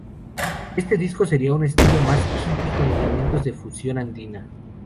Este disco seria un estilo mas hippie con elementos de fusión andina.